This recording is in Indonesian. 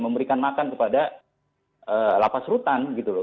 memberikan makan kepada lapas rutan gitu loh